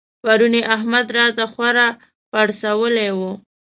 پرون يې احمد راته خورا پړسولی وو.